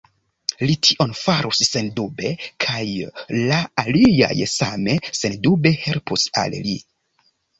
Li tion farus sendube, kaj la aliaj same sendube helpus al li.